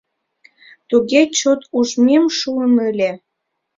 Туге чот ужмем шуын ыле.